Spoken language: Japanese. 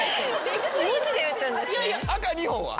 赤２本は？